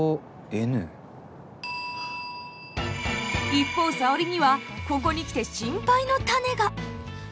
一方沙織にはここに来て心配の種が。